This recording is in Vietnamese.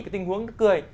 cái tình huống cười